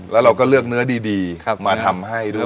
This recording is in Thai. แล้วเราก็เลือกเนื้อดีมาทำให้ด้วย